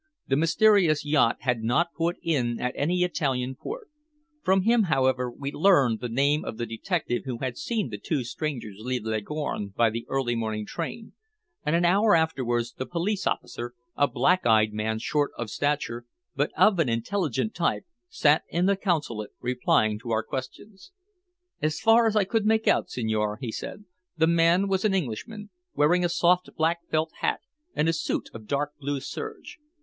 The mysterious yacht had not put in at any Italian port. From him, however, we learned the name of the detective who had seen the two strangers leave Leghorn by the early morning train, and an hour afterwards the police officer, a black eyed man short of stature, but of an intelligent type, sat in the Consulate replying to our questions. "As far as I could make out, signore," he said, "the man was an Englishman, wearing a soft black felt hat and a suit of dark blue serge.